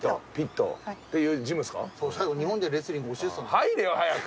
入れよ早く！